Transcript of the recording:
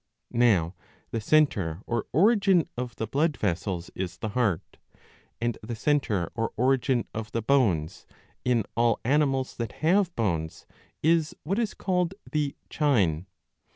Now the centre or origin of the blood vessels is the heart, and the centre or origin of the bones, in all animals that have bones, is what is called the chine.